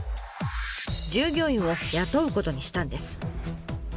従業員を雇うことにしたんです。